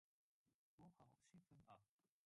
我好兴奋啊！